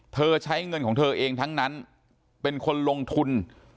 ใช้เงินของเธอเองทั้งนั้นเป็นคนลงทุน